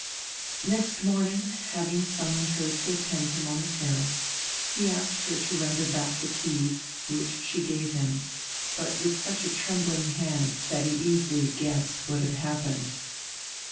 Next morning, having summoned her to attend him on the terrace, he asked her to render back the keys; which she gave him, but with such a trembling hand that he easily guessed what had happened.